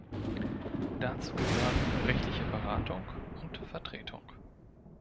Dazu gehören rechtliche Beratung und Vertretung.